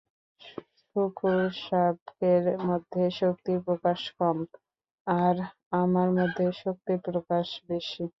শূকরশাবকের মধ্যে শক্তির প্রকাশ কম, আর আমার মধ্যে শক্তির প্রকাশ বেশী।